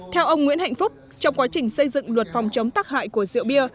theo ông nguyễn hạnh phúc trong quá trình xây dựng luật phòng chống tắc hại của rượu bia